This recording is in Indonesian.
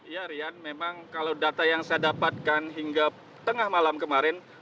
ya rian memang kalau data yang saya dapatkan hingga tengah malam kemarin